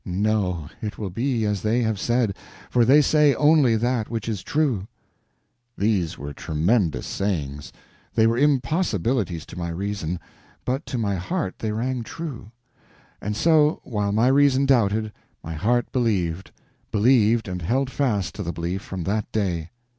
No; it will be as they have said, for they say only that which is true." These were tremendous sayings. They were impossibilities to my reason, but to my heart they rang true; and so, while my reason doubted, my heart believed—believed, and held fast to the belief from that day.